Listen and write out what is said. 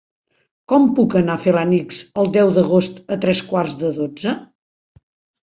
Com puc anar a Felanitx el deu d'agost a tres quarts de dotze?